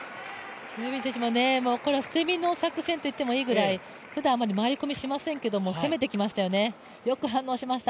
シン・ユビン選手、これは捨て身の作戦と言ってもいいくらいふだんあまり回り込みしませんけど攻めてきましたよね、よく対応しました。